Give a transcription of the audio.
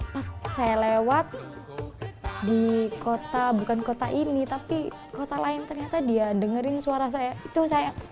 pas saya lewat di kota bukan kota ini tapi kota lain ternyata dia dengerin suara saya itu saya